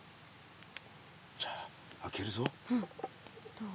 どう？